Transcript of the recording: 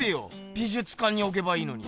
美術館におけばいいのに。